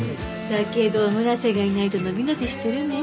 だけど村瀬がいないと伸び伸びしてるね。